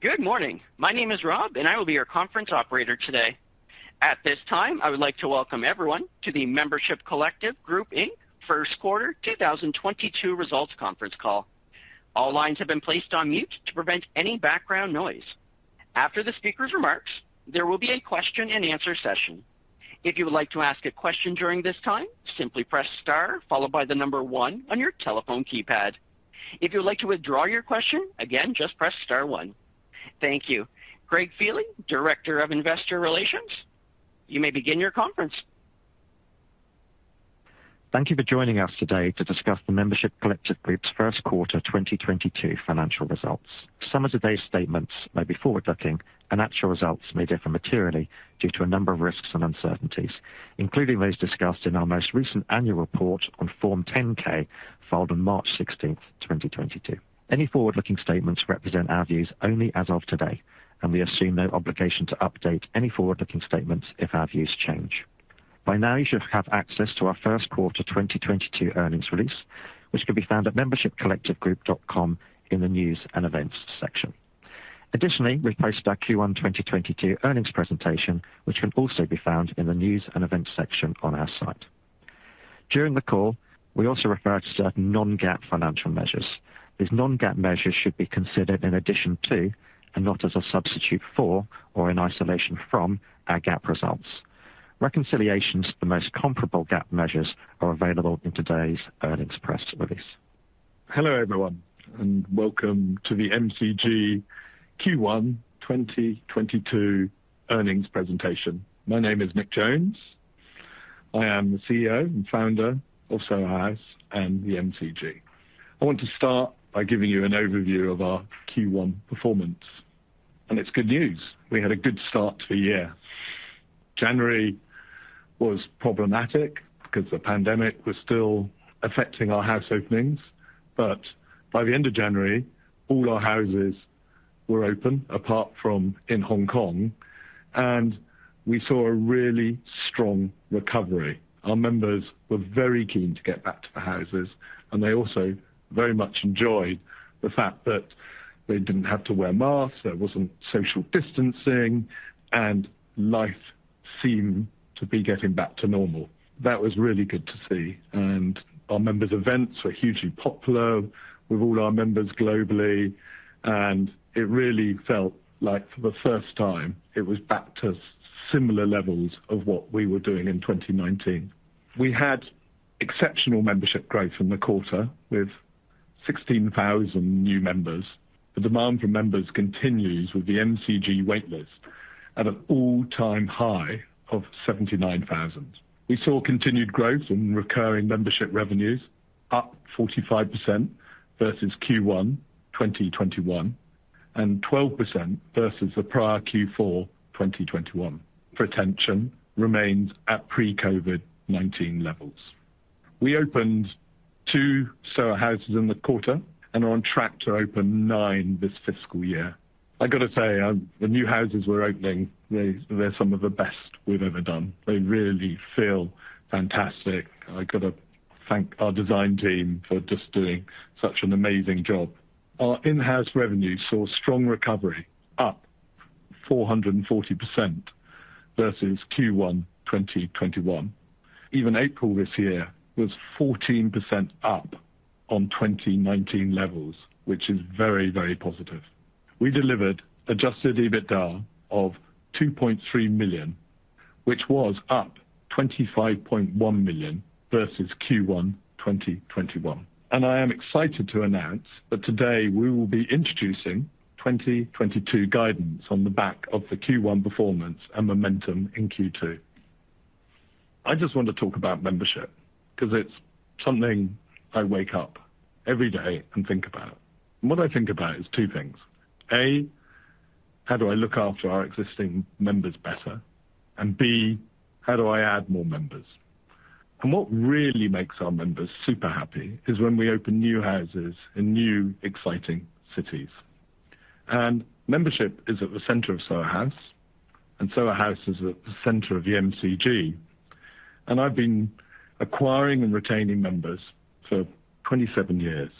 Good morning. My name is Rob, and I will be your conference operator today. At this time, I would like to welcome everyone to the Membership Collective Group Inc. First Quarter 2022 Results Conference Call. All lines have been placed on mute to prevent any background noise. After the speaker's remarks, there will be a question-and-answer session. If you would like to ask a question during this time, simply press star followed by the number one on your telephone keypad. If you would like to withdraw your question, again, just press star one. Thank you. Greg Feehely, Director of Investor Relations, you may begin your conference. Thank you for joining us today to discuss the Membership Collective Group's first quarter 2022 financial results. Some of today's statements may be forward-looking, and actual results may differ materially due to a number of risks and uncertainties, including those discussed in our most recent annual report on Form 10-K filed on March 16, 2022. Any forward-looking statements represent our views only as of today, and we assume no obligation to update any forward-looking statements if our views change. By now, you should have access to our first quarter 2022 earnings release, which can be found at membershipcollectivegroup.com in the News and Events section. Additionally, we posted our Q1 2022 earnings presentation, which can also be found in the News and Events section on our site. During the call, we also refer to certain non-GAAP financial measures. These non-GAAP measures should be considered in addition to and not as a substitute for or in isolation from our GAAP results. Reconciliations to the most comparable GAAP measures are available in today's earnings press release. Hello, everyone, and welcome to the MCG Q1 2022 earnings presentation. My name is Nick Jones. I am the CEO and founder of Soho House and the MCG. I want to start by giving you an overview of our Q1 performance, and it's good news. We had a good start to the year. January was problematic because the pandemic was still affecting our house openings. By the end of January, all our houses were open apart from in Hong Kong, and we saw a really strong recovery. Our members were very keen to get back to the houses, and they also very much enjoyed the fact that they didn't have to wear masks, there wasn't social distancing, and life seemed to be getting back to normal. That was really good to see. Our members' events were hugely popular with all our members globally, and it really felt like for the first time it was back to similar levels of what we were doing in 2019. We had exceptional membership growth in the quarter with 16,000 new members. The demand from members continues with the MCG waitlist at an all-time high of 79,000. We saw continued growth in recurring membership revenues up 45% versus Q1 2021 and 12% versus the prior Q4 2021. Retention remains at pre-COVID-19 levels. We opened 2 Soho Houses in the quarter and are on track to open 9 this fiscal year. I got to say, the new houses we're opening they're some of the best we've ever done. They really feel fantastic. I got to thank our design team for just doing such an amazing job. Our in-house revenue saw strong recovery up 440% versus Q1 2021. Even April this year was 14% up on 2019 levels, which is very, very positive. We delivered adjusted EBITDA of $2.3 million, which was up $25.1 million versus Q1 2021. I am excited to announce that today we will be introducing 2022 guidance on the back of the Q1 performance and momentum in Q2. I just want to talk about membership because it's something I wake up every day and think about. What I think about is two things. A, how do I look after our existing members better? B, how do I add more members? What really makes our members super happy is when we open new houses in new, exciting cities. Membership is at the center of Soho House, and Soho House is at the center of the MCG, and I've been acquiring and retaining members for 27 years.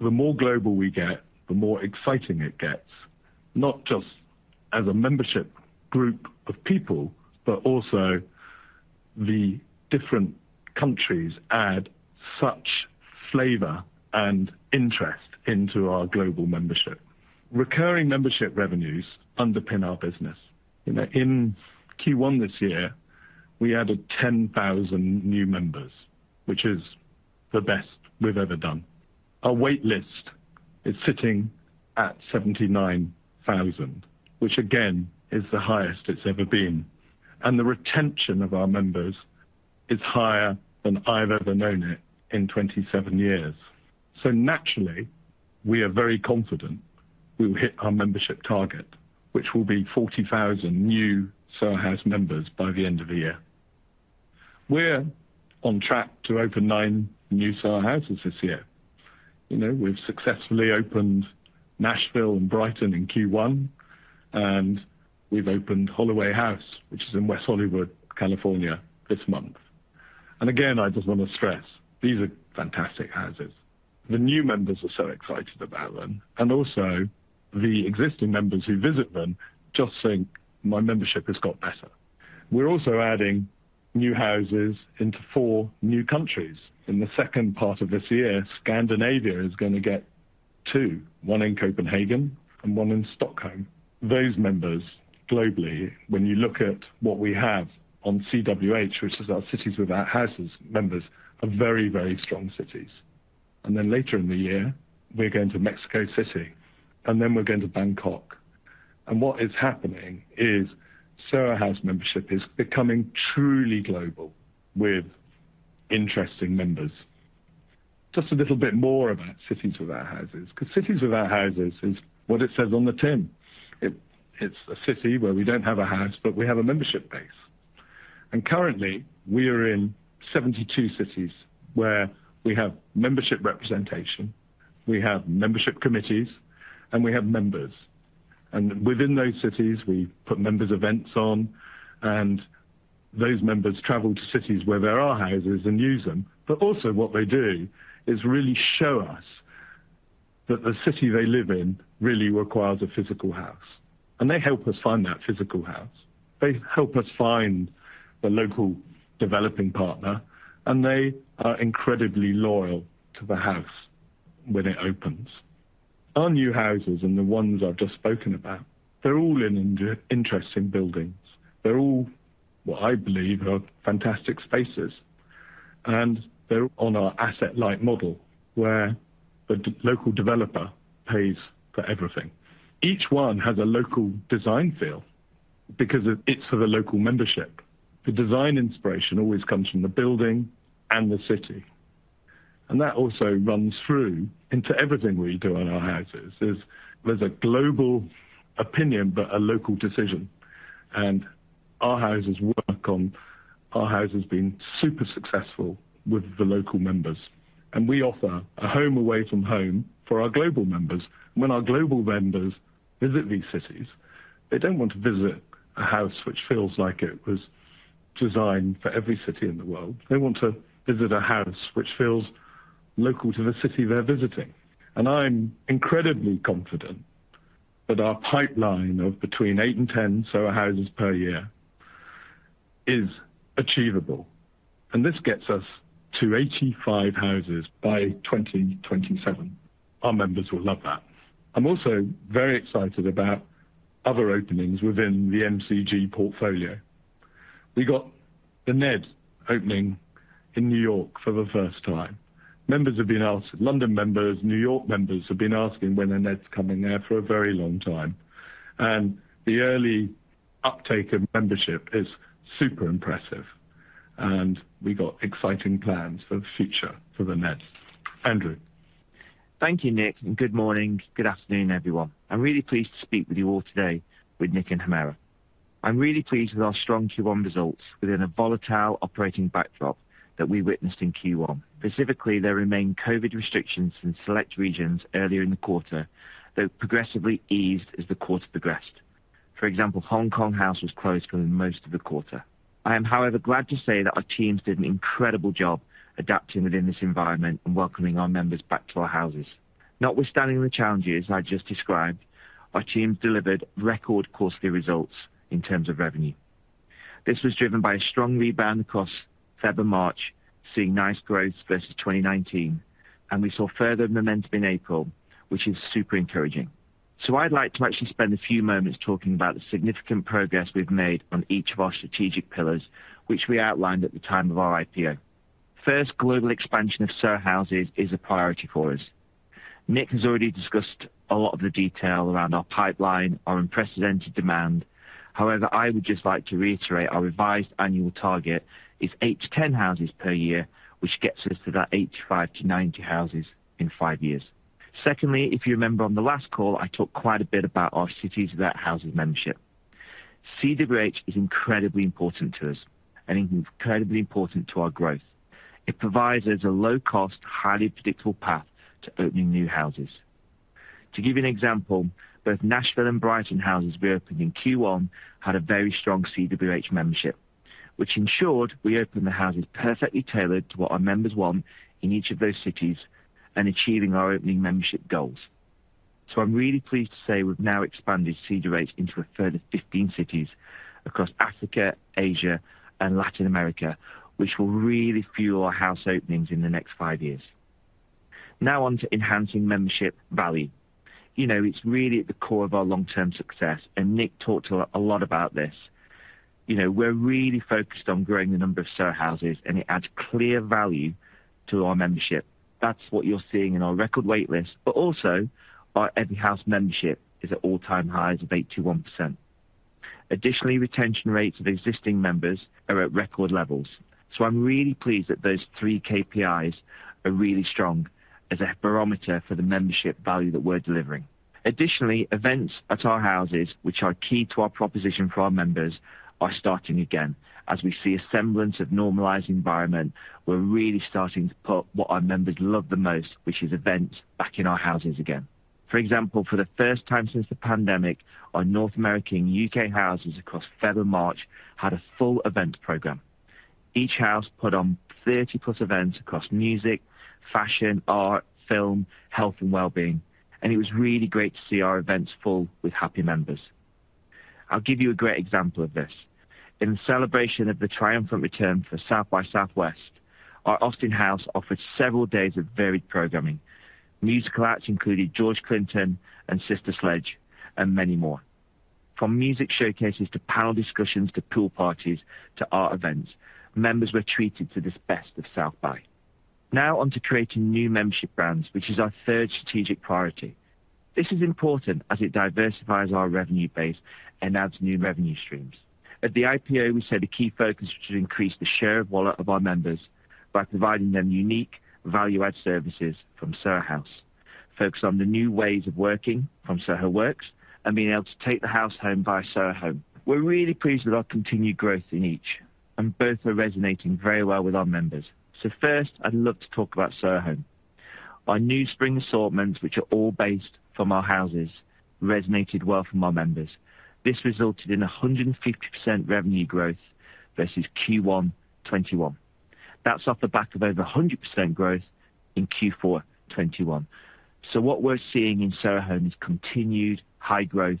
The more global we get, the more exciting it gets, not just as a membership group of people, but also the different countries add such flavor and interest into our global membership. Recurring membership revenues underpin our business. In Q1 this year, we added 10,000 new members, which is the best we've ever done. Our waitlist is sitting at 79,000, which again is the highest it's ever been. The retention of our members is higher than I've ever known it in 27 years. Naturally, we are very confident we will hit our membership target, which will be 40,000 new Soho House members by the end of the year. We're on track to open 9 new Soho Houses this year. You know, we've successfully opened Nashville and Brighton in Q1, and we've opened Holloway House, which is in West Hollywood, California, this month. Again, I just want to stress these are fantastic houses. The new members are so excited about them and also the existing members who visit them just think my membership has got better. We're also adding new houses into four new countries. In the second part of this year, Scandinavia is going to get two, one in Copenhagen and one in Stockholm. Those members globally, when you look at what we have on CWH, which is our Cities Without Houses members, are very, very strong cities. Later in the year we're going to Mexico City and then we're going to Bangkok. What is happening is Soho House membership is becoming truly global with interesting members. Just a little bit more about Cities Without Houses because Cities Without Houses is what it says on the tin. It, it's a city where we don't have a house, but we have a membership base. Currently we are in 72 cities where we have membership representation, we have membership committees and we have members. Within those cities we put members events on and those members travel to cities where there are houses and use them. Also what they do is really show us that the city they live in really requires a physical house and they help us find that physical house. They help us find the local developing partner and they are incredibly loyal to the house when it opens. Our new houses and the ones I've just spoken about, they're all in interesting buildings. They're all what I believe are fantastic spaces and they're on our asset-light model where the local developer pays for everything. Each one has a local design feel because it's for the local membership. The design inspiration always comes from the building and the city, and that also runs through into everything we do in our houses. There's a global opinion but a local decision and our house has been super successful with the local members and we offer a home away from home for our global members. When our global members visit these cities, they don't want to visit a house which feels like it was designed for every city in the world. They want to visit a house which feels local to the city they're visiting. I'm incredibly confident that our pipeline of between 8 and 10 Soho Houses per year is achievable. This gets us to 85 houses by 2027. Our members will love that. I'm also very excited about other openings within the MCG portfolio. We got The Ned opening in New York for the first time. Members have been asking, London members, New York members have been asking when The Ned's coming there for a very long time and the early uptake of membership is super impressive and we got exciting plans for the future for The Ned. Andrew. Thank you Nick and good morning, good afternoon everyone. I'm really pleased to speak with you all today with Nick and Humera Afzal. I'm really pleased with our strong Q1 results within a volatile operating backdrop that we witnessed in Q1. Specifically, there remained COVID restrictions in select regions earlier in the quarter, though progressively eased as the quarter progressed. For example, Hong Kong House was closed for most of the quarter. I am however glad to say that our teams did an incredible job adapting within this environment and welcoming our members back to our houses. Notwithstanding the challenges I just described, our teams delivered record quarterly results in terms of revenue. This was driven by a strong rebound across Feb and March, seeing nice growth versus 2019 and we saw further momentum in April which is super encouraging. I'd like to actually spend a few moments talking about the significant progress we've made on each of our strategic pillars which we outlined at the time of our IPO. First, global expansion of Soho Houses is a priority for us. Nick has already discussed a lot of the detail around our pipeline, our unprecedented demand. However, I would just like to reiterate our revised annual target is 8-10 houses per year which gets us to that 85-90 houses in five years. Secondly, if you remember on the last call I talked quite a bit about our Cities Without Houses membership. CWH is incredibly important to us and incredibly important to our growth. It provides us a low cost, highly predictable path to opening new houses. To give you an example, both Nashville and Brighton houses we opened in Q1 had a very strong CWH membership which ensured we opened the houses perfectly tailored to what our members want in each of those cities and achieving our opening membership goals. I'm really pleased to say we've now expanded CWH into a further 15 cities across Africa, Asia and Latin America which will really fuel our house openings in the next 5 years. Now on to enhancing membership value. You know it's really at the core of our long-term success and Nick talked a lot about this. You know we're really focused on growing the number of Soho Houses and it adds clear value to our membership. That's what you're seeing in our record wait list but also our Every House membership is at all-time highs of 81%. Additionally, retention rates of existing members are at record levels so I'm really pleased that those three KPIs are really strong as a barometer for the membership value that we're delivering. Additionally, events at our houses which are key to our proposition for our members are starting again. As we see a semblance of normalized environment, we're really starting to put what our members love the most, which is events back in our houses again. For example, for the first time since the pandemic, our North American and UK houses across February and March had a full event program. Each house put on 30-plus events across music, fashion, art, film, health and wellbeing, and it was really great to see our events full with happy members. I'll give you a great example of this. In celebration of the triumphant return for South by Southwest, our Austin House offered several days of varied programming. Musical acts included George Clinton and Sister Sledge and many more. From music showcases to panel discussions to pool parties to art events, members were treated to the best of South by Southwest. Now on to creating new membership brands, which is our third strategic priority. This is important as it diversifies our revenue base and adds new revenue streams. At the IPO, we said a key focus should increase the share of wallet of our members by providing them unique value-add services from Soho House, focus on the new ways of working from Soho Works and being able to take the House home by Soho Home. We're really pleased with our continued growth in each, and both are resonating very well with our members. First, I'd love to talk about Soho Home. Our new spring assortments, which are all based from our houses, resonated well with our members. This resulted in 150% revenue growth versus Q1 2021. That's off the back of over 100% growth in Q4 2021. What we're seeing in Soho Home is continued high growth,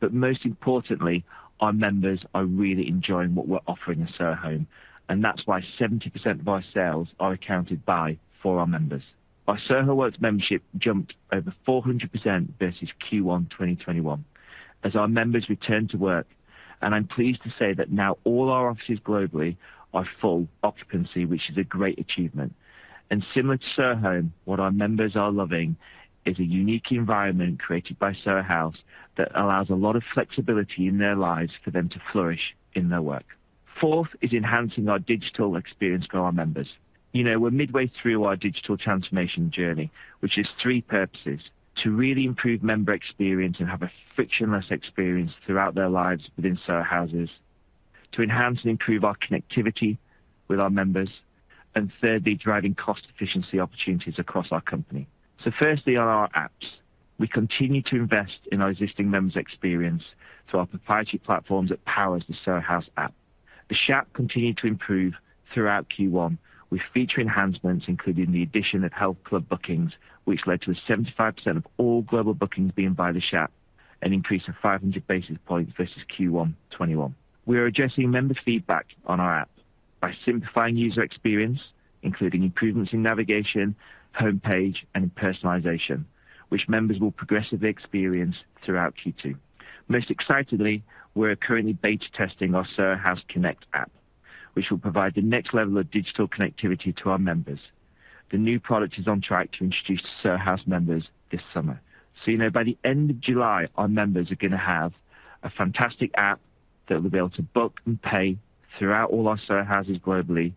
but most importantly, our members are really enjoying what we're offering at Soho Home, and that's why 70% of our sales are accounted for by our members. Our Soho Works membership jumped over 400% versus Q1 2021 as our members return to work, and I'm pleased to say that now all our offices globally are full occupancy, which is a great achievement. Similar to Soho Home, what our members are loving is a unique environment created by Soho House that allows a lot of flexibility in their lives for them to flourish in their work. Fourth is enhancing our digital experience for our members. You know, we're midway through our digital transformation journey, which is three purposes, to really improve member experience and have a frictionless experience throughout their lives within Soho Houses, to enhance and improve our connectivity with our members, and thirdly, driving cost efficiency opportunities across our company. Firstly on our apps. We continue to invest in our existing members' experience through our proprietary platforms that powers the Soho House app. The app continued to improve throughout Q1 with feature enhancements, including the addition of health club bookings, which led to the 75% of all global bookings being by the app, an increase of 500 basis points versus Q1 2021. We are addressing member feedback on our app by simplifying user experience, including improvements in navigation, homepage, and personalization, which members will progressively experience throughout Q2. Most excitedly, we're currently beta testing our Soho House Connect app, which will provide the next level of digital connectivity to our members. The new product is on track to be introduced to Soho House members this summer. You know by the end of July, our members are gonna have a fantastic app that will be able to book and pay throughout all our Soho Houses globally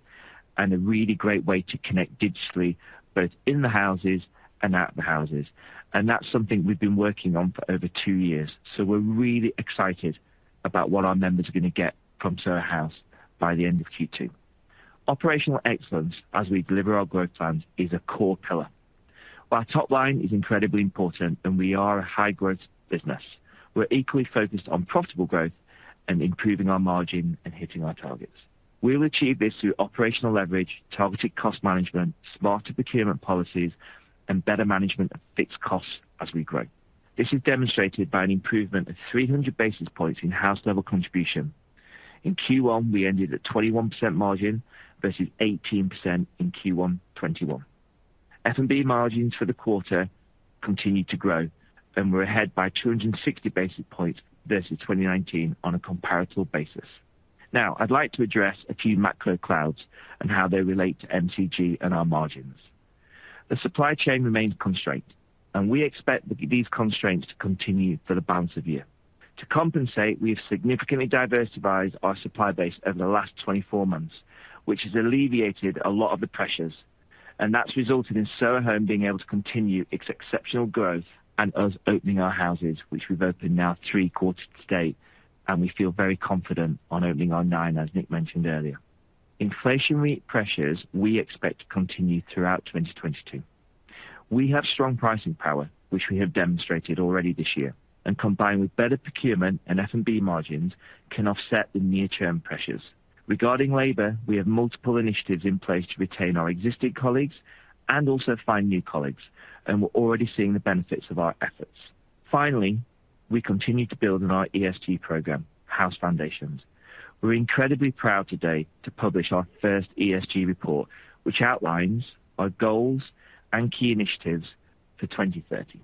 and a really great way to connect digitally both in the houses and out the houses. That's something we've been working on for over 2 years. We're really excited about what our members are gonna get from Soho House by the end of Q2. Operational excellence as we deliver our growth plans is a core pillar. While top line is incredibly important and we are a high-growth business, we're equally focused on profitable growth and improving our margin and hitting our targets. We'll achieve this through operational leverage, targeted cost management, smarter procurement policies, and better management of fixed costs as we grow. This is demonstrated by an improvement of 300 basis points in house level contribution. In Q1, we ended at 21% margin versus 18% in Q1 2021. F&B margins for the quarter continued to grow, and we're ahead by 260 basis points versus 2019 on a comparable basis. Now, I'd like to address a few macro clouds and how they relate to MCG and our margins. The supply chain remains constrained, and we expect these constraints to continue for the balance of year. To compensate, we have significantly diversified our supply base over the last 24 months, which has alleviated a lot of the pressures. That's resulted in Soho Home being able to continue its exceptional growth and us opening our houses, which we've opened now three-quarters to date, and we feel very confident on opening our nine as Nick mentioned earlier. Inflationary pressures we expect to continue throughout 2022. We have strong pricing power, which we have demonstrated already this year, and combined with better procurement and F&B margins can offset the near-term pressures. Regarding labor, we have multiple initiatives in place to retain our existing colleagues and also find new colleagues, and we're already seeing the benefits of our efforts. Finally, we continue to build on our ESG program, House Foundations. We're incredibly proud today to publish our first ESG report, which outlines our goals and key initiatives for 2030.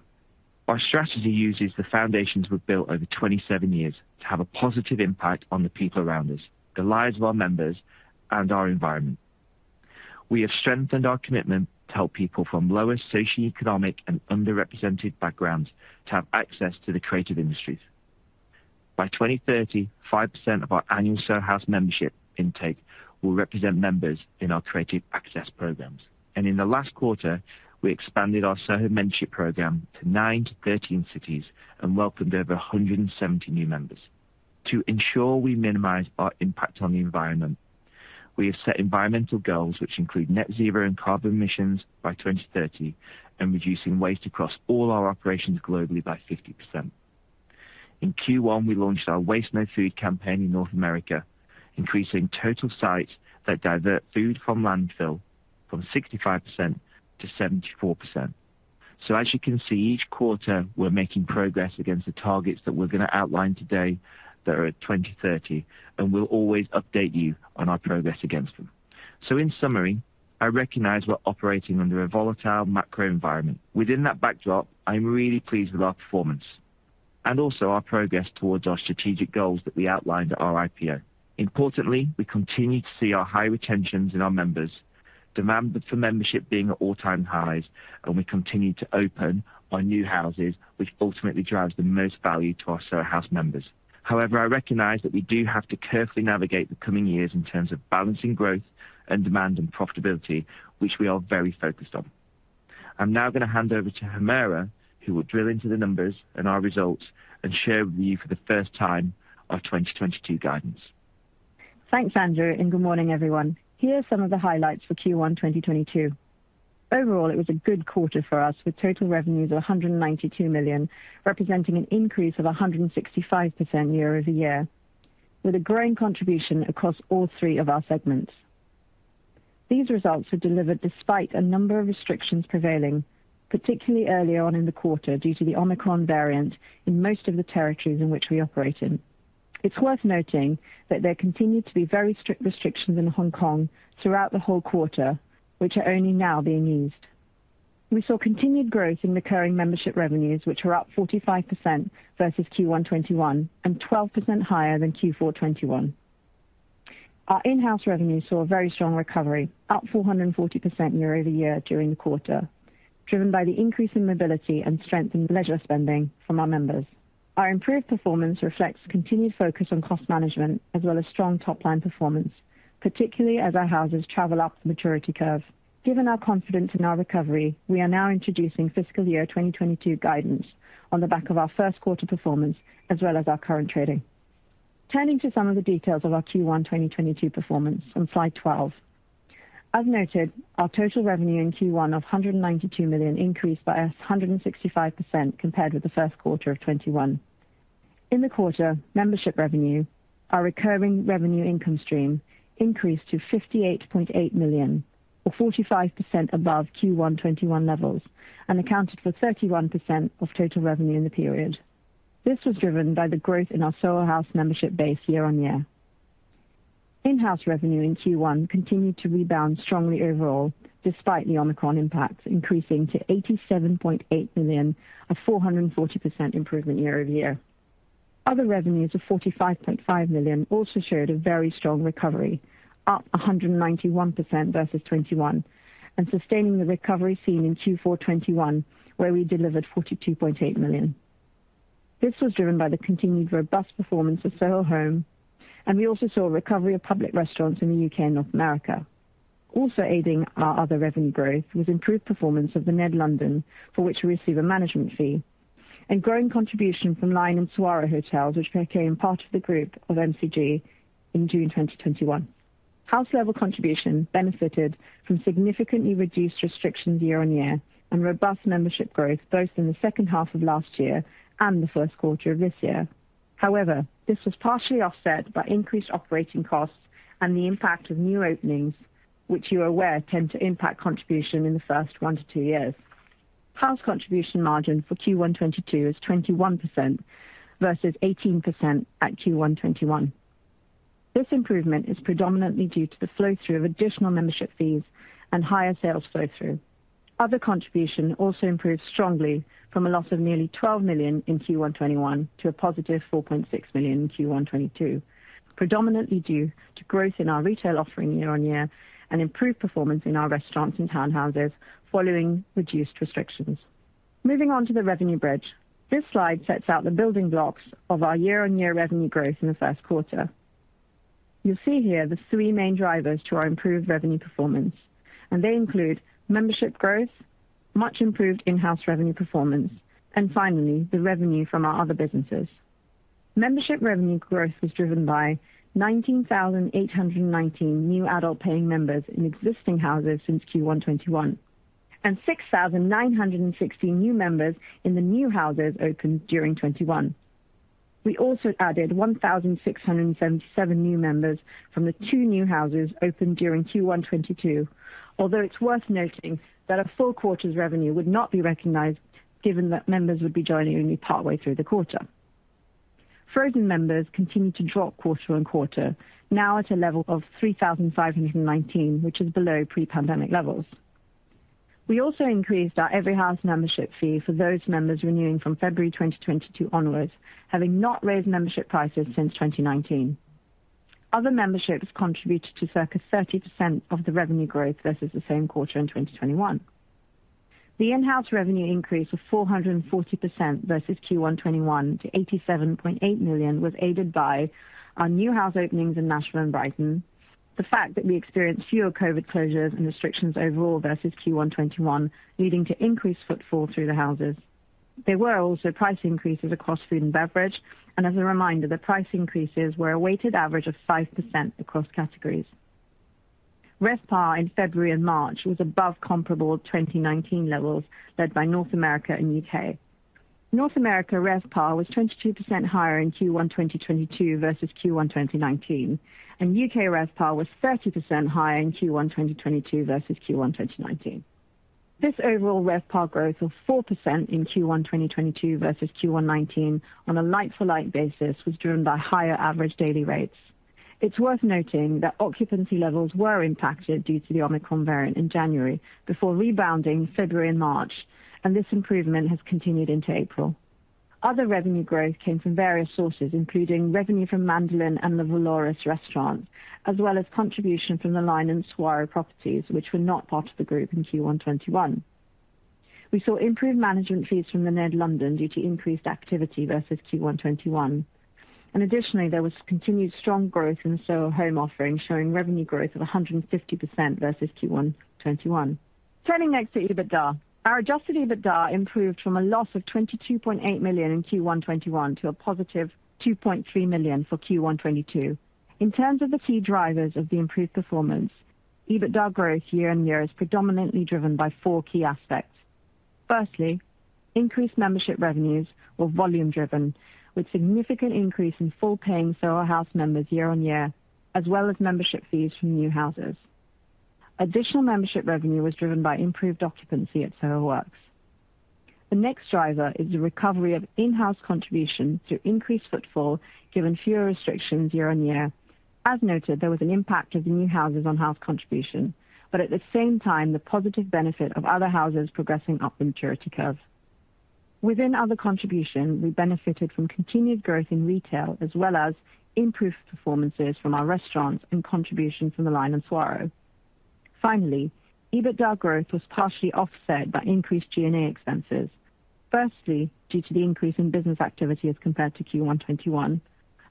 Our strategy uses the foundations we've built over 27 years to have a positive impact on the people around us, the lives of our members, and our environment. We have strengthened our commitment to help people from lower socioeconomic and underrepresented backgrounds to have access to the creative industries. By 2030, 5% of our annual Soho House membership intake will represent members in our creative access programs. In the last quarter, we expanded our Soho mentorship program to 9-13 cities and welcomed over 170 new members. To ensure we minimize our impact on the environment, we have set environmental goals which include net zero and carbon emissions by 2030 and reducing waste across all our operations globally by 50%. In Q1, we launched our Waste No Food campaign in North America, increasing total sites that divert food from landfill from 65% to 74%. As you can see, each quarter we're making progress against the targets that we're gonna outline today that are at 2030, and we'll always update you on our progress against them. In summary, I recognize we're operating under a volatile macro environment. Within that backdrop, I'm really pleased with our performance and also our progress towards our strategic goals that we outlined at our IPO. Importantly, we continue to see our high retentions in our members, demand for membership being at all-time highs, and we continue to open our new houses, which ultimately drives the most value to our Soho House members. However, I recognize that we do have to carefully navigate the coming years in terms of balancing growth and demand and profitability, which we are very focused on. I'm now gonna hand over to Humera, who will drill into the numbers and our results and share with you for the first time our 2022 guidance. Thanks, Andrew, and good morning, everyone. Here are some of the highlights for Q1 2022. Overall, it was a good quarter for us, with total revenues of $192 million, representing an increase of 165% year-over-year, with a growing contribution across all three of our segments. These results are delivered despite a number of restrictions prevailing, particularly earlier on in the quarter, due to the Omicron variant in most of the territories in which we operate in. It's worth noting that there continued to be very strict restrictions in Hong Kong throughout the whole quarter, which are only now being eased. We saw continued growth in recurring membership revenues, which were up 45% versus Q1 2021 and 12% higher than Q4 2021. Our in-house revenues saw a very strong recovery, up 440% year-over-year during the quarter, driven by the increase in mobility and strength in leisure spending from our members. Our improved performance reflects continued focus on cost management as well as strong top-line performance, particularly as our houses travel up the maturity curve. Given our confidence in our recovery, we are now introducing fiscal year 2022 guidance on the back of our first quarter performance as well as our current trading. Turning to some of the details of our Q1 2022 performance on slide 12. As noted, our total revenue in Q1 of $192 million increased by 165% compared with the first quarter of 2021. In the quarter, membership revenue, our recurring revenue income stream, increased to $58.8 million or 45% above Q1 2021 levels and accounted for 31% of total revenue in the period. This was driven by the growth in our Soho House membership base year-over-year. In-house revenue in Q1 continued to rebound strongly overall despite the Omicron impacts, increasing to $87.8 million, a 440% improvement year-over-year. Other revenues of $45.5 million also showed a very strong recovery, up 191% versus 2021, and sustaining the recovery seen in Q4 2021, where we delivered $42.8 million. This was driven by the continued robust performance of Soho Home, and we also saw a recovery of public restaurants in the U.K. and North America. Improved performance of The Ned London, for which we receive a management fee, and growing contribution from The LINE and Saguaro Hotels, which became part of the group of MCG in June 2021, also aided our other revenue growth. House level contribution benefited from significantly reduced restrictions year-over-year and robust membership growth both in the second half of last year and the first quarter of this year. However, this was partially offset by increased operating costs and the impact of new openings, which you are aware tend to impact contribution in the first 1-2 years. House contribution margin for Q1 2022 is 21% versus 18% at Q1 2021. This improvement is predominantly due to the flow-through of additional membership fees and higher sales flow-through. Other contribution also improved strongly from a loss of nearly $12 million in Q1 2021 to a positive $4.6 million in Q1 2022, predominantly due to growth in our retail offering year-on-year and improved performance in our restaurants and townhouses following reduced restrictions. Moving on to the revenue bridge. This slide sets out the building blocks of our year-on-year revenue growth in the first quarter. You'll see here the three main drivers to our improved revenue performance, and they include membership growth, much improved in-house revenue performance, and finally, the revenue from our other businesses. Membership revenue growth was driven by 19,819 new adult paying members in existing houses since Q1 2021 and 6,960 new members in the new houses opened during 2021. We added 1,677 new members from the two new houses opened during Q1 2022. It's worth noting that a full quarter's revenue would not be recognized, given that members would be joining only partway through the quarter. Frozen members continued to drop quarter-over-quarter, now at a level of 3,519, which is below pre-pandemic levels. We increased our Every House membership fee for those members renewing from February 2022 onwards, having not raised membership prices since 2019. Other memberships contributed to circa 30% of the revenue growth versus the same quarter in 2021. The in-house revenue increase of 440% versus Q1 2021 to $87.8 million was aided by our new house openings in Nashville and Brighton, the fact that we experienced fewer COVID closures and restrictions overall versus Q1 2021, leading to increased footfall through the houses. There were also price increases across food and beverage, and as a reminder, the price increases were a weighted average of 5% across categories. RevPAR in February and March was above comparable 2019 levels, led by North America and UK. North America RevPAR was 22% higher in Q1 2022 versus Q1 2019, and UK RevPAR was 30% higher in Q1 2022 versus Q1 2019. This overall RevPAR growth of 4% in Q1 2022 versus Q1 2019 on a like-for-like basis was driven by higher average daily rates. It's worth noting that occupancy levels were impacted due to the Omicron variant in January before rebounding February and March, and this improvement has continued into April. Other revenue growth came from various sources, including revenue from Mandolin and the Cecconi's restaurants, as well as contribution from The LINE and Saguaro properties, which were not part of the group in Q1 2021. We saw improved management fees from The Ned London due to increased activity versus Q1 2021. Additionally, there was continued strong growth in the Soho Home offering, showing revenue growth of 150% versus Q1 2021. Turning next to EBITDA. Our adjusted EBITDA improved from a loss of $22.8 million in Q1 2021 to a positive $2.3 million for Q1 2022. In terms of the key drivers of the improved performance, EBITDA growth year-on-year is predominantly driven by four key aspects. Firstly, increased membership revenues were volume driven, with significant increase in full paying Soho House members year-on-year, as well as membership fees from new houses. Additional membership revenue was driven by improved occupancy at Soho Works. The next driver is the recovery of in-house contribution through increased footfall, given fewer restrictions year-on-year. As noted, there was an impact of new houses on house contribution, but at the same time, the positive benefit of other houses progressing up the maturity curve. Within other contribution, we benefited from continued growth in retail, as well as improved performances from our restaurants and contributions from The LINE and Saguaro. Finally, EBITDA growth was partially offset by increased G&A expenses. Firstly, due to the increase in business activity as compared to Q1 2021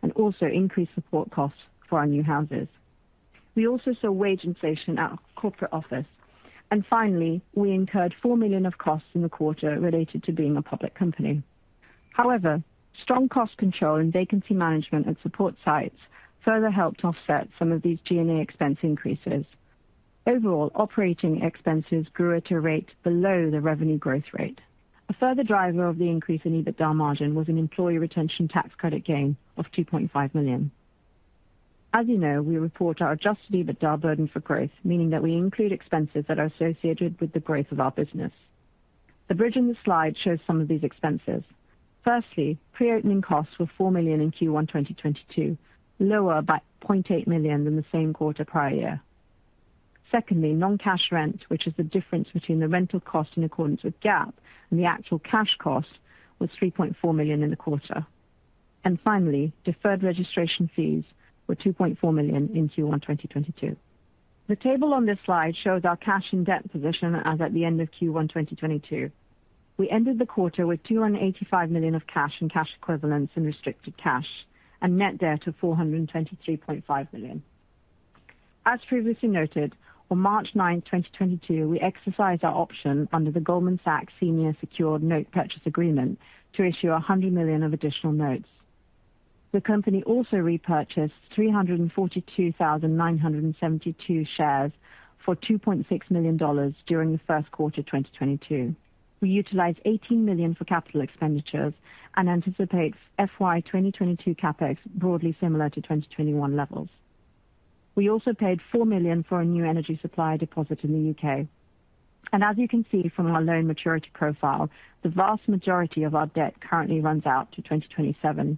and also increased support costs for our new houses. We also saw wage inflation at our corporate office. Finally, we incurred $4 million of costs in the quarter related to being a public company. However, strong cost control and vacancy management at support sites further helped offset some of these G&A expense increases. Overall, operating expenses grew at a rate below the revenue growth rate. A further driver of the increase in EBITDA margin was an employee retention tax credit gain of $2.5 million. As you know, we report our adjusted EBITDA born for growth, meaning that we include expenses that are associated with the growth of our business. The bridge in the slide shows some of these expenses. Firstly, pre-opening costs were $4 million in Q1 2022, lower by $0.8 million than the same quarter prior year. Secondly, non-cash rent, which is the difference between the rental cost in accordance with GAAP and the actual cash cost, was $3.4 million in the quarter. Finally, deferred registration fees were $2.4 million in Q1 2022. The table on this slide shows our cash and debt position as at the end of Q1 2022. We ended the quarter with $285 million of cash and cash equivalents in restricted cash and net debt of $423.5 million. As previously noted, on March 9, 2022, we exercised our option under the Goldman Sachs Senior Secured Note Purchase Agreement to issue $100 million of additional notes. The company also repurchased 342,972 shares for $2.6 million during the first quarter 2022. We utilized $18 million for CapEx and anticipates FY 2022 CapEx broadly similar to 2021 levels. We also paid 4 million for a new energy supply deposit in the U.K. As you can see from our loan maturity profile, the vast majority of our debt currently runs out to 2027.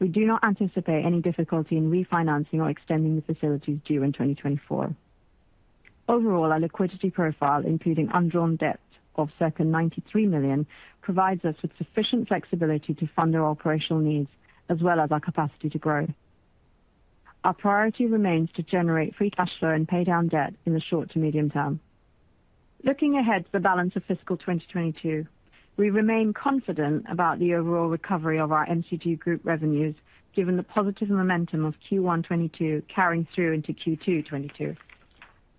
We do not anticipate any difficulty in refinancing or extending the facilities due in 2024. Overall, our liquidity profile, including undrawn debt of circa $93 million, provides us with sufficient flexibility to fund our operational needs as well as our capacity to grow. Our priority remains to generate free cash flow and pay down debt in the short to medium term. Looking ahead to the balance of fiscal 2022, we remain confident about the overall recovery of our MCG group revenues given the positive momentum of Q1 2022 carrying through into Q2 2022.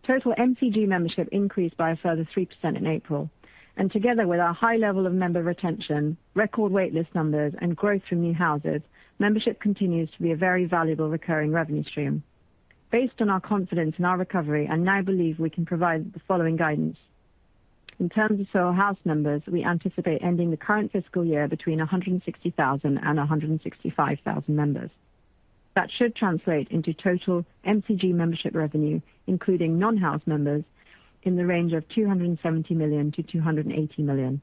Total MCG membership increased by a further 3% in April, and together with our high level of member retention, record wait list numbers, and growth from new houses, membership continues to be a very valuable recurring revenue stream. Based on our confidence in our recovery, I now believe we can provide the following guidance. In terms of Soho House members, we anticipate ending the current fiscal year between 160,000 and 165,000 members. That should translate into total MCG membership revenue, including non-house members, in the range of $270 million-$280 million.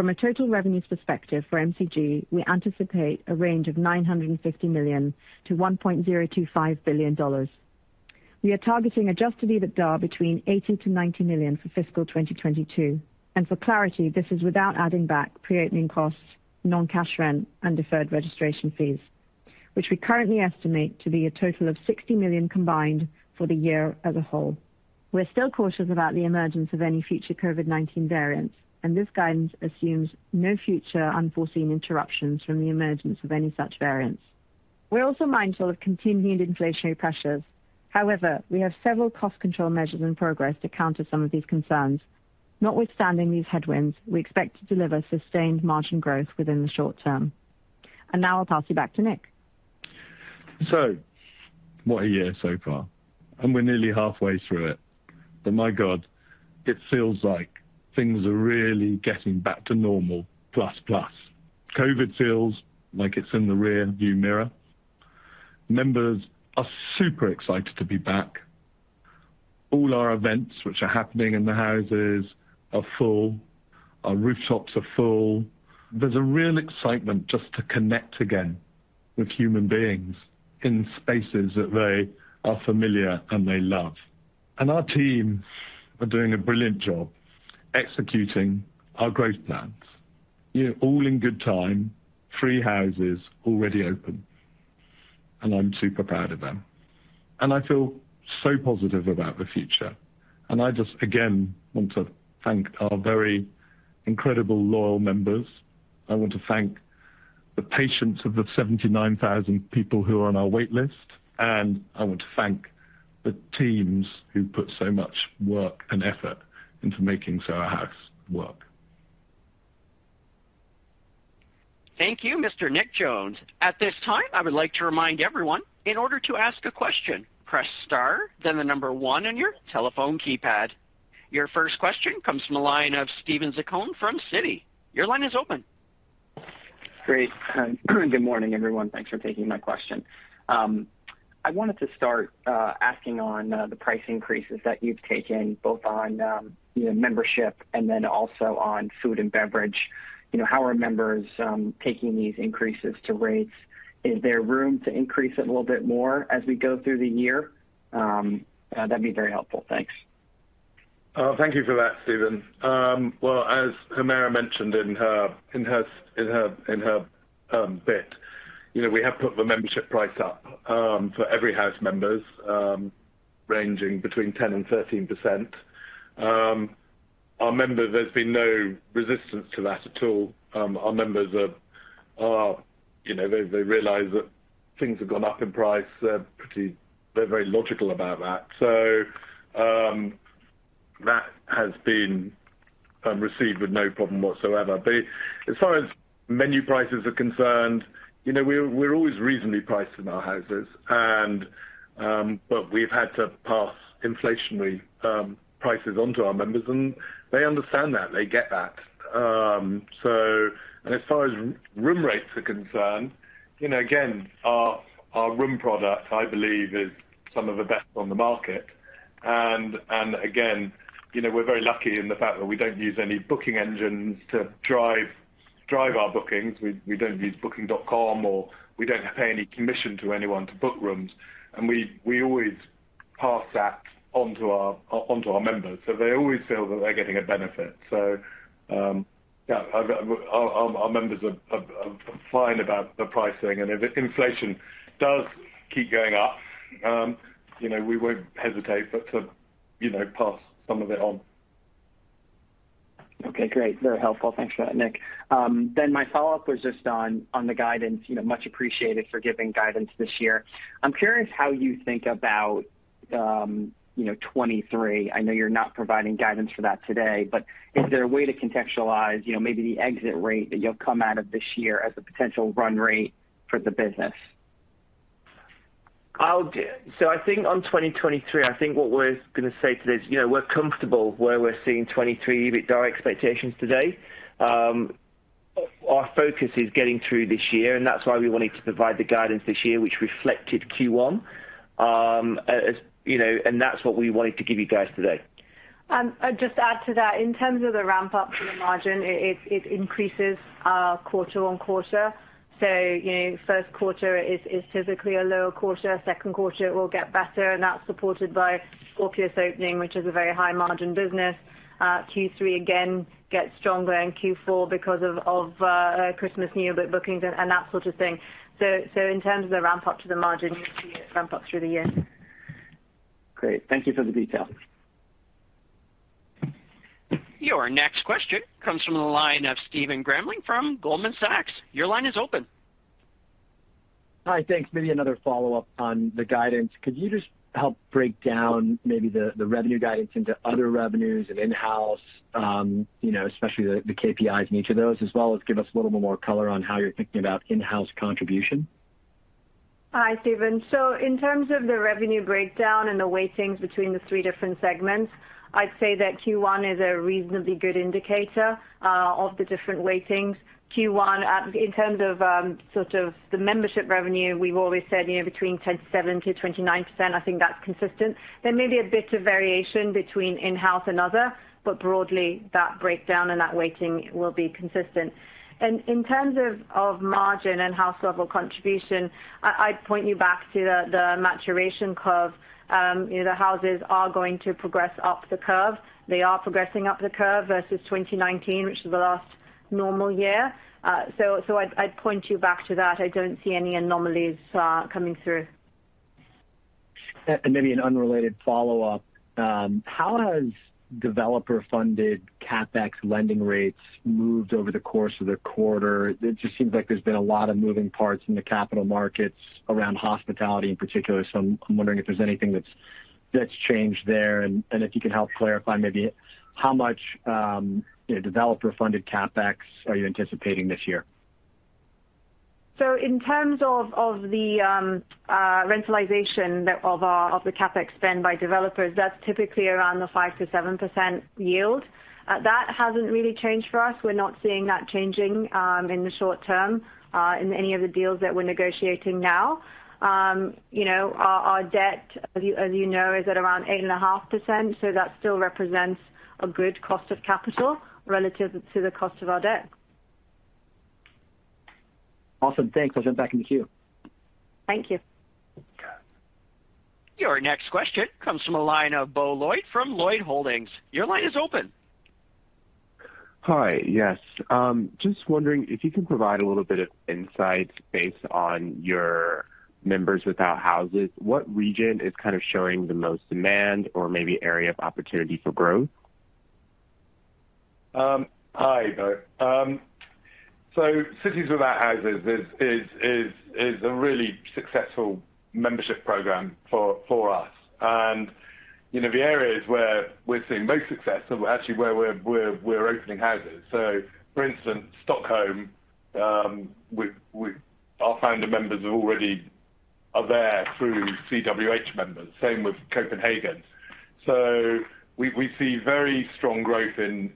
From a total revenue perspective for MCG, we anticipate a range of $950 million-$1.025 billion. We are targeting adjusted EBITDA between $80-$90 million for fiscal 2022. For clarity, this is without adding back pre-opening costs, non-cash rent, and deferred registration fees, which we currently estimate to be a total of $60 million combined for the year as a whole. We're still cautious about the emergence of any future COVID-19 variants, and this guidance assumes no future unforeseen interruptions from the emergence of any such variants. We're also mindful of continuing inflationary pressures. However, we have several cost control measures in progress to counter some of these concerns. Notwithstanding these headwinds, we expect to deliver sustained margin growth within the short term. Now I'll pass you back to Nick. What a year so far, and we're nearly halfway through it. My God, it feels like things are really getting back to normal plus. COVID feels like it's in the rear-view mirror. Members are super excited to be back. All our events which are happening in the houses are full. Our rooftops are full. There's a real excitement just to connect again with human beings in spaces that they are familiar and they love. Our team are doing a brilliant job executing our growth plans. You know, all in good time, 3 houses already open, and I'm super proud of them. I just, again, want to thank our very incredible loyal members. I want to thank the patience of the 79,000 people who are on our wait list, and I want to thank the teams who put so much work and effort into making Soho House work. Thank you, Mr. Nick Jones. At this time, I would like to remind everyone, in order to ask a question, press star, then the number one on your telephone keypad. Your first question comes from the line of Stephen Zaccone from Citi. Your line is open. Great. Good morning, everyone. Thanks for taking my question. I wanted to start asking on the price increases that you've taken both on, you know, membership and then also on food and beverage. You know, how are members taking these increases to rates? Is there room to increase it a little bit more as we go through the year? That'd be very helpful. Thanks. Thank you for that, Stephen. Well, as Humera mentioned in her bit, you know, we have put the membership price up for Every House members ranging between 10%-13%. Our members, there's been no resistance to that at all. Our members are, you know, they realize that things have gone up in price. They're very logical about that. That has been received with no problem whatsoever. As far as menu prices are concerned, you know, we're always reasonably priced in our houses and, but we've had to pass inflationary prices on to our members, and they understand that. They get that. As far as room rates are concerned, you know, again, our room product, I believe, is some of the best on the market. Again, you know, we're very lucky in the fact that we don't use any booking engines to drive our bookings. We don't use Booking.com, or we don't pay any commission to anyone to book rooms. We always pass that on to our members. They always feel that they're getting a benefit. Yeah, our members are fine about the pricing. If inflation does keep going up, you know, we won't hesitate but to, you know, pass some of it on. Okay, great. Very helpful. Thanks for that, Nick. Then my follow-up was just on the guidance, you know, much appreciated for giving guidance this year. I'm curious how you think about, you know, 2023. I know you're not providing guidance for that today, but is there a way to contextualize, you know, maybe the exit rate that you'll come out of this year as a potential run rate for the business? I think on 2023, I think what we're gonna say today is, you know, we're comfortable where we're seeing 2023 meet our expectations today. Our focus is getting through this year, and that's why we wanted to provide the guidance this year which reflected Q1. As you know, and that's what we wanted to give you guys today. I'd just add to that. In terms of the ramp-up to the margin, it increases quarter-on-quarter. You know, first quarter is typically a lower quarter. Second quarter will get better, and that's supported by Scorpios opening, which is a very high margin business. Q3 again gets stronger and Q4 because of Christmas, New Year bookings and that sort of thing. In terms of the ramp-up to the margin, you'll see it ramp up through the year. Great. Thank you for the detail. Your next question comes from the line of Stephen Grambling from Goldman Sachs. Your line is open. Hi. Thanks. Maybe another follow-up on the guidance. Could you just help break down maybe the revenue guidance into other revenues and in-house, you know, especially the KPIs in each of those, as well as give us a little bit more color on how you're thinking about in-house contribution? Hi, Stephen. In terms of the revenue breakdown and the weightings between the three different segments, I'd say that Q1 is a reasonably good indicator of the different weightings. Q1 in terms of sort of the membership revenue, we've always said, you know, between 70%-79%, I think that's consistent. There may be a bit of variation between in-house and other, but broadly, that breakdown and that weighting will be consistent. In terms of margin and house level contribution, I'd point you back to the maturation curve. The houses are going to progress up the curve. They are progressing up the curve versus 2019, which is the last normal year. I'd point you back to that. I don't see any anomalies coming through. Maybe an unrelated follow-up. How has developer-funded CapEx lending rates moved over the course of the quarter? It just seems like there's been a lot of moving parts in the capital markets around hospitality in particular. I'm wondering if there's anything that's changed there, and if you can help clarify maybe how much developer-funded CapEx are you anticipating this year? In terms of the rentalization of the CapEx spend by developers, that's typically around the 5%-7% yield. That hasn't really changed for us. We're not seeing that changing in the short term in any of the deals that we're negotiating now. You know, our debt, as you know, is at around 8.5%, so that still represents a good cost of capital relative to the cost of our debt. Awesome. Thanks. I'll jump back in the queue. Thank you. Okay. Your next question comes from a line of Bo Lloyd from Lloyd Holdings. Your line is open. Hi. Yes. Just wondering if you can provide a little bit of insight based on your members without houses, what region is kind of showing the most demand or maybe area of opportunity for growth? Hi, Bo. Cities Without Houses is a really successful membership program for us. You know, the areas where we're seeing most success are actually where we're opening houses. For instance, Stockholm, we've our founder members already are there through CWH members, same with Copenhagen. We see very strong growth in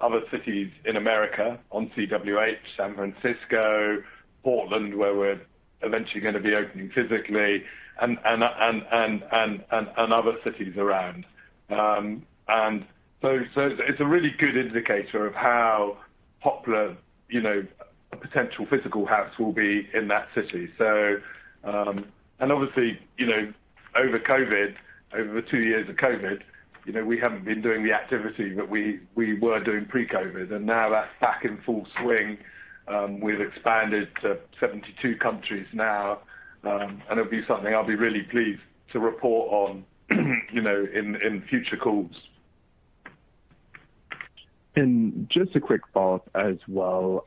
other cities in America on CWH, San Francisco, Portland, where we're eventually gonna be opening physically and other cities around. It's a really good indicator of how popular, you know, a potential physical house will be in that city. Obviously, you know, over COVID, over the two years of COVID, you know, we haven't been doing the activity that we were doing pre-COVID, and now that's back in full swing. We've expanded to 72 countries now, and it'll be something I'll be really pleased to report on, you know, in future calls. Just a quick follow-up as well,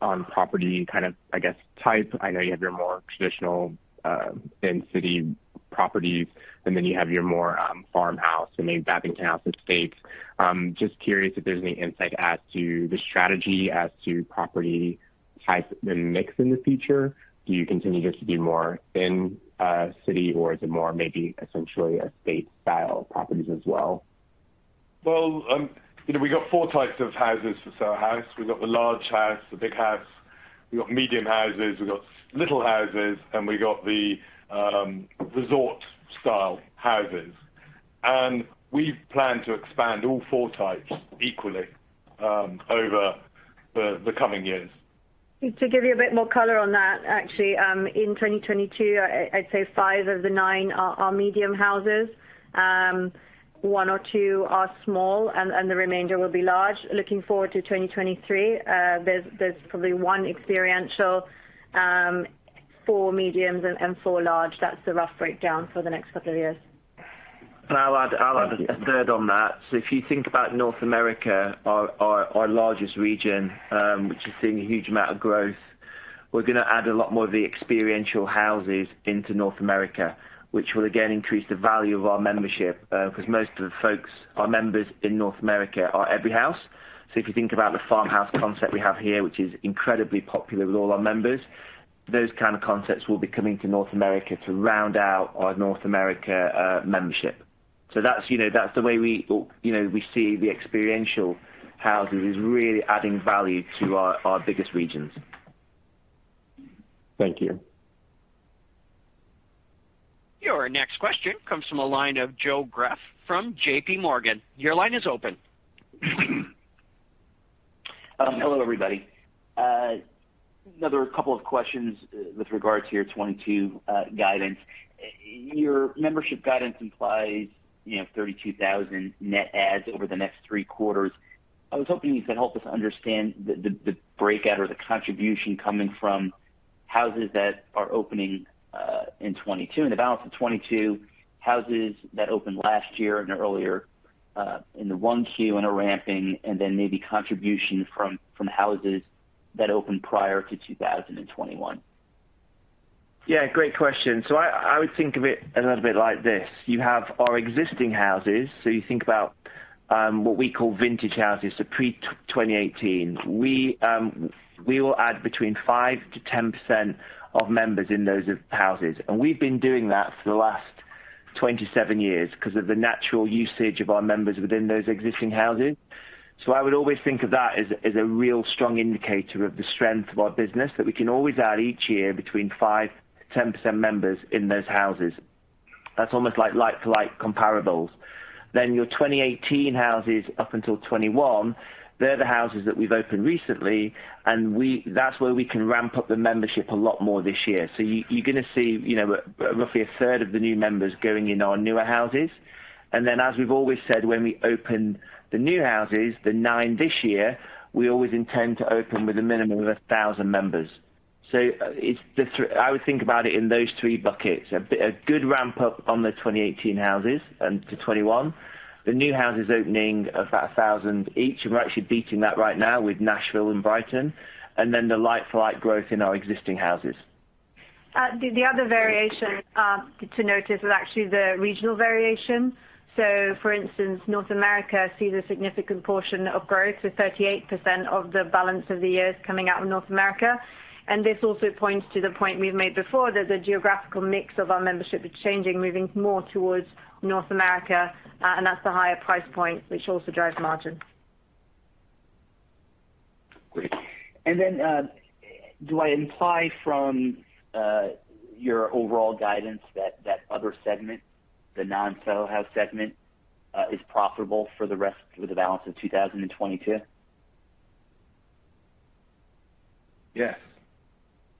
on property kind of, I guess, type. I know you have your more traditional, in-city properties, and then you have your more, farmhouse and maybe bathing houses estates. Just curious if there's any insight as to the strategy as to property type and mix in the future. Do you continue just to be more in, city or is it more maybe essentially estate-style properties as well? Well, you know, we got 4 types of houses for sale house. We've got the large house, the big house, we've got medium houses, we've got little houses, and we've got the resort-style houses. We plan to expand all 4 types equally over the coming years. To give you a bit more color on that, actually, in 2022, I'd say five of the nine are medium houses. One or two are small and the remainder will be large. Looking forward to 2023, there's probably one experiential, four mediums and four large. That's the rough breakdown for the next couple of years. I'll add a third on that. So if you think about North America, our largest region, which is seeing a huge amount of growth, we're gonna add a lot more of the experiential houses into North America, which will again increase the value of our membership, 'cause most of the folks are members in North America are Every House. So if you think about the farmhouse concept we have here, which is incredibly popular with all our members, those kind of concepts will be coming to North America to round out our North America membership. So that's, you know, that's the way we, you know, we see the experiential houses is really adding value to our biggest regions. Thank you. Your next question comes from a line of Joe Greff from J.P. Morgan. Your line is open. Hello, everybody. Another couple of questions with regard to your 2022 guidance. Your membership guidance implies, you know, 32,000 net adds over the next three quarters. I was hoping you could help us understand the breakout or the contribution coming from houses that are opening in 2022. In the balance of 2022, houses that opened last year and earlier in the Q1 and are ramping, and then maybe contribution from houses that opened prior to 2021. Yeah, great question. I would think of it a little bit like this. You have our existing houses, so you think about what we call vintage houses, so pre-2018. We will add between 5%-10% of members in those houses. We've been doing that for the last 27 years 'cause of the natural usage of our members within those existing houses. I would always think of that as a real strong indicator of the strength of our business, that we can always add each year between 5%-10% members in those houses. That's almost like-to-like comparables. Your 2018 houses up until 2021, they're the houses that we've opened recently, and that's where we can ramp up the membership a lot more this year. You're gonna see, you know, roughly a third of the new members going in our newer houses. As we've always said, when we open the new houses, the 9 this year, we always intend to open with a minimum of 1,000 members. I would think about it in those three buckets. A good ramp up on the 2018 houses and to 2021. The new houses opening about 1,000 each. We're actually beating that right now with Nashville and Brighton, and then the like-for-like growth in our existing houses. The other variation to note is actually the regional variation. For instance, North America sees a significant portion of growth with 38% of the balance of the years coming out of North America. This also points to the point we've made before, that the geographical mix of our membership is changing, moving more towards North America, and that's the higher price point which also drives margin. Great. Do I imply from your overall guidance that that other segment, the non-Soho House segment, is profitable for the balance of 2022? Yes.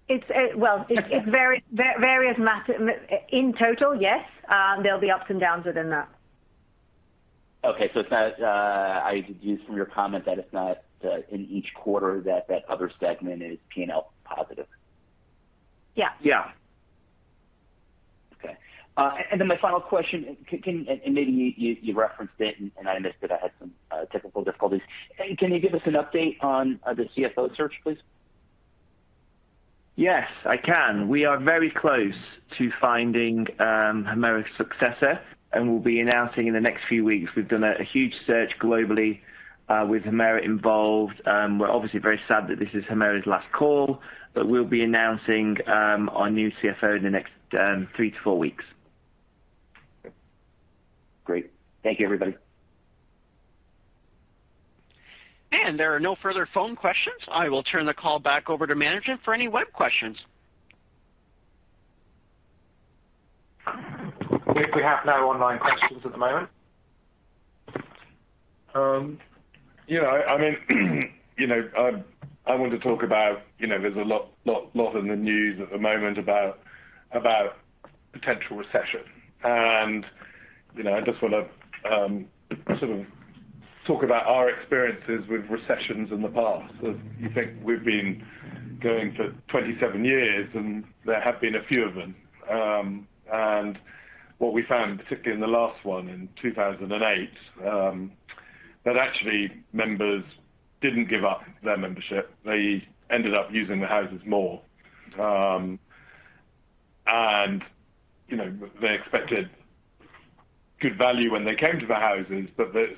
It's well, it varies. In total, yes. There'll be ups and downs within that. I deduce from your comment that it's not in each quarter that the other segment is P&L positive. Yeah. Yeah. Okay. My final question. Maybe you referenced it and I missed it. I had some technical difficulties. Can you give us an update on the CFO search, please? Yes, I can. We are very close to finding, Humera's successor, and we'll be announcing in the next few weeks. We've done a huge search globally, with Humera involved. We're obviously very sad that this is Humera's last call, but we'll be announcing our new CFO in the next three to four weeks. Great. Thank you, everybody. There are no further phone questions. I will turn the call back over to management for any web questions. Nick, we have no online questions at the moment. You know, I mean, you know, I want to talk about, you know, there's a lot in the news at the moment about potential recession. You know, I just wanna sort of talk about our experiences with recessions in the past. As you think, we've been going for 27 years, and there have been a few of them. What we found, particularly in the last one in 2008, that actually members didn't give up their membership. They ended up using the houses more. You know, they expected good value when they came to the houses.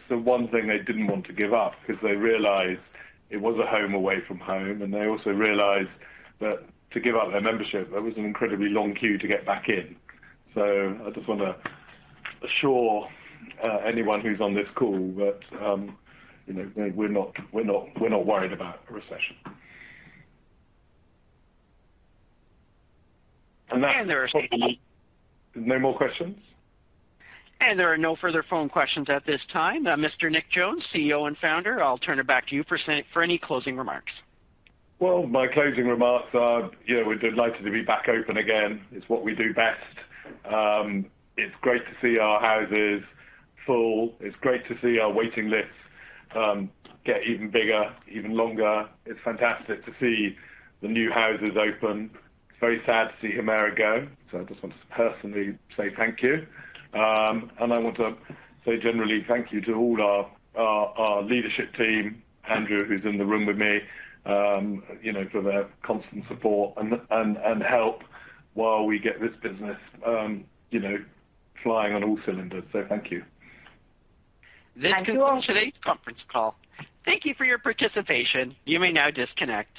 One thing they didn't want to give up because they realized it was a home away from home, and they also realized that to give up their membership, there was an incredibly long queue to get back in. I just wanna assure anyone who's on this call that, you know, we're not worried about a recession. And there are. No more questions? There are no further phone questions at this time. Mr. Nick Jones, CEO and founder, I'll turn it back to you for any closing remarks. Well, my closing remarks are, you know, we're delighted to be back open again. It's what we do best. It's great to see our houses full. It's great to see our waiting lists get even bigger, even longer. It's fantastic to see the new houses open. It's very sad to see Humera go. I just want to personally say thank you. I want to say generally thank you to all our leadership team, Andrew, who's in the room with me, you know, for their constant support and help while we get this business, you know, flying on all cylinders. Thank you. Thank you all. This concludes today's conference call. Thank you for your participation. You may now disconnect.